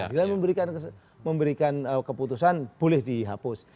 dalam memberikan keputusan boleh dihapus